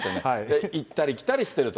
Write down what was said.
行ったり来たりしてると。